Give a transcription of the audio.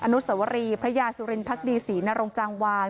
นุสวรีพระยาสุรินพักดีศรีนรงจางวาน